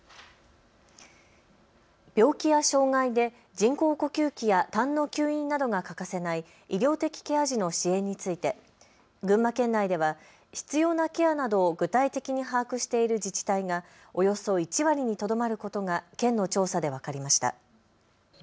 病気や障害で人工呼吸器やたんの吸引などが欠かせない医療的ケア児の支援について群馬県内では必要なケアなどを具体的に把握している自治体がおよそ１割にとどまることが県の調査で分かりました。